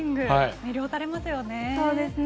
魅了されますよね。